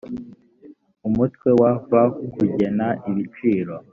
umutwe wa v kugena ibiciro